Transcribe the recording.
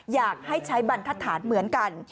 อยากให้ใช้บรรทฐานเหมือนกัน